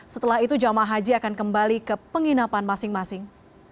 setelah itu jamaah haji akan kembali ke penginapan masing masing